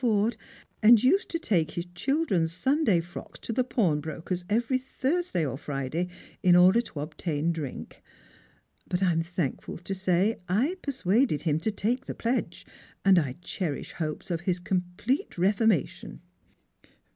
Forde, and used to take his children's Sunday frocks to the pawnbroker's every Thursday or Friday, in order to ob tain drink. But I am thankful to say I persuaded him to take the pledge, and I cherish hopes of his complete reformation."